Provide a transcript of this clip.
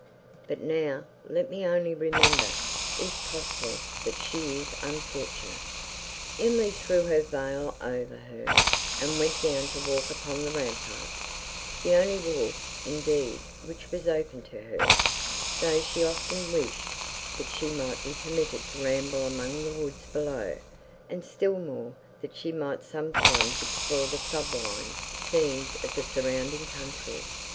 But now, let me only remember, if possible, that she is unfortunate." Emily threw her veil over her, and went down to walk upon the ramparts, the only walk, indeed, which was open to her, though she often wished, that she might be permitted to ramble among the woods below, and still more, that she might sometimes explore the sublime scenes of the surrounding country.